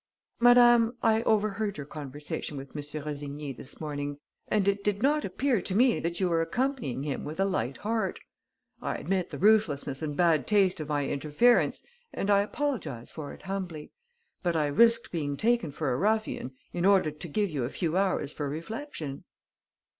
"Madame, I overheard your conversation with M. Rossigny this morning and it did not appear to me that you were accompanying him with a light heart. I admit the ruthlessness and bad taste of my interference and I apologise for it humbly; but I risked being taken for a ruffian in order to give you a few hours for reflection."